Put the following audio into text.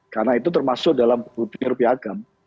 karena itu termasuk dalam budir piagam